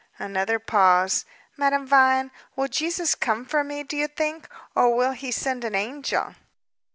Another pause. "Madame Vine, will Jesus come for me, do you think, or will He send an angel?"